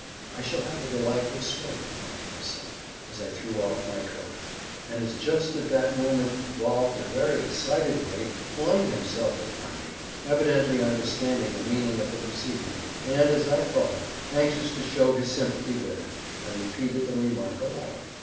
'I shall have a delightful swim,' thought to myself, as I threw off my coat; and as just at that moment Rolf in a very excited way flung himself upon me, evidently understanding the meaning of the proceeding, and, as I thought, anxious to show his sympathy with it, I repeated the remark aloud.